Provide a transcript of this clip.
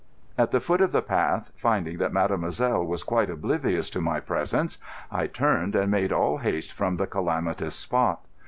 At the foot of the path, finding that mademoiselle was quite oblivious to my presence, I turned and made all haste from the calamitous spot.